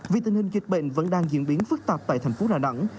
vì tình hình dịch bệnh vẫn đang diễn biến phức tạp tại thành phố đà nẵng